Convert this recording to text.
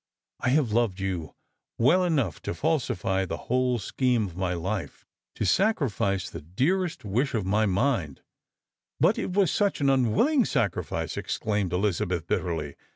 "I have loved you well enough to falsify the whole scheme of my Ufe, to sacrifice the dearest wish of my mind "" But it was such an unwilHng sacrifice," exclaimed Eliza beth, bitterly.